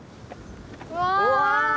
うわ！